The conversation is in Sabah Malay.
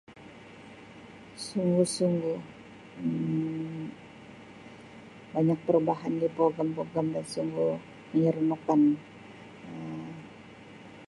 Sungguh sungguh Um banyak perubahan di pawagam pawagam yang sungguh menyeronok kan.